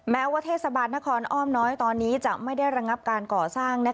แม้ว่าเทศบาลนครอ้อมน้อยตอนนี้จะไม่ได้ระงับการก่อสร้าง